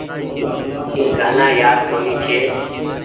اي گآنآ يآد ڪونيٚ ڇي۔